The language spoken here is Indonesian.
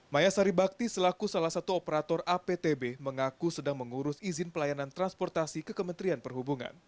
maya saribakti selaku salah satu operator aptb mengaku sedang mengurus izin pelayanan transportasi ke kementerian perhubungan